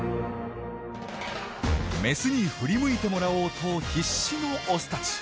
メスに振り向いてもらおうと必死のオスたち。